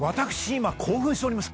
今興奮しております！